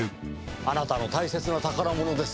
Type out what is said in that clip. あなたの大切な宝物です。